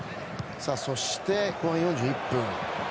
そして、後半４１分。